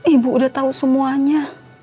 ibu udah tau semuanya